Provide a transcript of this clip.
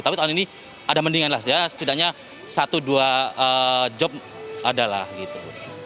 tapi tahun ini ada mendingan lah setidaknya satu dua job adalah gitu